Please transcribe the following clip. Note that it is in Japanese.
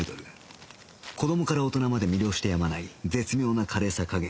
子どもから大人まで魅了してやまない絶妙なカレーさ加減